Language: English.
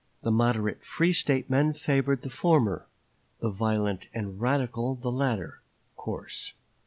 The moderate free State men favored the former, the violent and radical the latter, course.